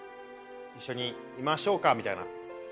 「一緒にいましょうか」みたいな。